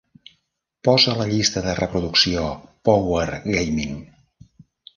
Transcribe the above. Posa la llista de reproducció "Power Gaming".